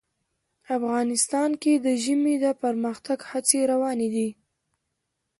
افغانستان کې د ژمی د پرمختګ هڅې روانې دي.